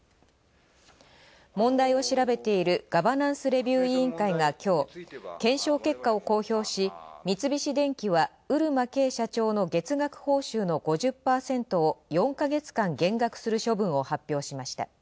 問題を調べているガバナンスレビュー委員会が今日検証結果を公表し、三菱電機は漆間啓社長の月額報酬の５０％を４ヶ月間減額する処分を発表しました。